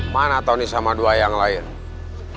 mana tony sama dua yang lain